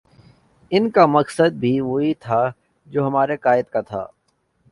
ان کا مقصد بھی وہی تھا جو ہمارے قاہد کا تھا